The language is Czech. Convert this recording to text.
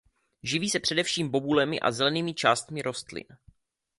Živí se především bobulemi a zelenými částmi rostlin.